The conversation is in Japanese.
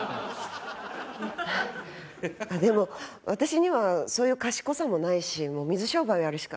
でも私にはそういう賢さもないしもう水商売をやるしか。